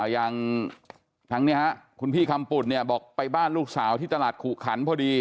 อย่างทั้งนี้คุณพี่คำปุ่นเนี่ยบอกไปบ้านลูกสาวที่ตลาดขุขันพอดี